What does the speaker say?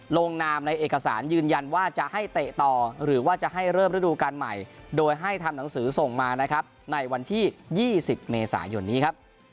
ลงนามในเอกสารยืนยันว่าจะให้เตะต่อหรือว่าจะให้เริ่มฤดูการใหม่โดยให้ทำหนังสือส่งมานะครับในวันที่๒๐เมษายนนี้ครับ